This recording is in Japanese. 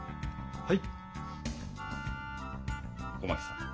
はい。